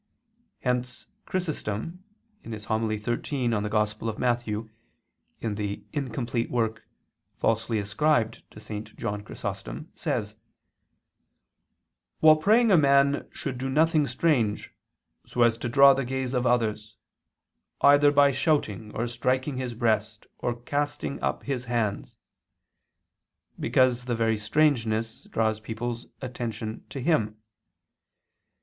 Hence Chrysostom [*Hom. xiii in Matth. in the Opus Imperfectum, falsely ascribed to St. John Chrysostom] says: "While praying a man should do nothing strange, so as to draw the gaze of others, either by shouting or striking his breast, or casting up his hands," because the very strangeness draws people's attention to him.